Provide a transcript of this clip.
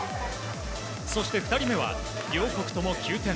そして２人目は両国とも９点。